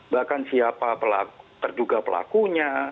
bahkan siapa pelaku terduga pelakunya